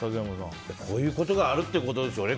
こういうことがあるってことでしょうね。